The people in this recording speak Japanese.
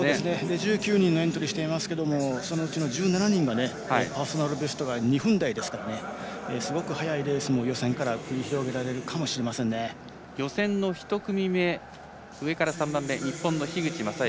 １９人のうちの１７人がパーソナルベストが２分台ですからすごい速いレースを予選から繰り広げられるかも予選の１組目上から３番目日本の樋口政幸。